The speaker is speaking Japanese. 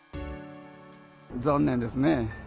残念ですね。